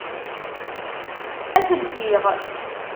Ad t-ldiɣ.